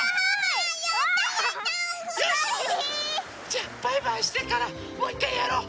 じゃあバイバイしてからもういっかいやろう。